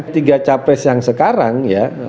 tiga capres yang sekarang ya